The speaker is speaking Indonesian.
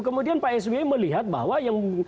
kemudian pak s w melihat bahwa yang